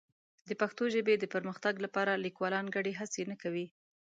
د پښتو ژبې د پرمختګ لپاره لیکوالان ګډې هڅې نه کوي.